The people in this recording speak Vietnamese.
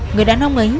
người đàn ông ấy